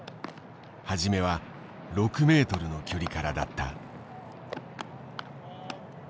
初めは６メートルの距離からだった。